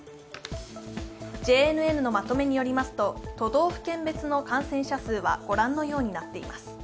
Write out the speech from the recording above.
ＪＮＮのまとめによりますと都道府県別の感染者数は御覧のようになっています。